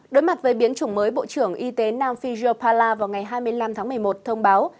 đối mặt với biến chủng mới bộ trưởng y tế nam phijio pala vào ngày hai mươi năm tháng một mươi một thông báo